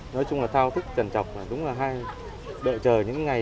nói chung là thao thức trần trọc đợi chờ những ngày